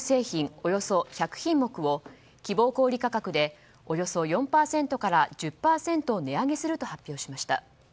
およそ１００品目は希望小売価格でおよそ４％から１０％値上げすると発表しました。